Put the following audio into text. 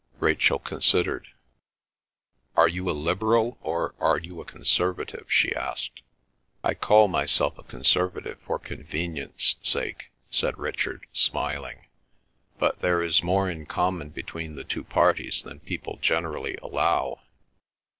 Rachel considered. "Are you a Liberal or are you a Conservative?" she asked. "I call myself a Conservative for convenience sake," said Richard, smiling. "But there is more in common between the two parties than people generally allow."